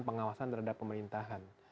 pengawasan terhadap pemerintahan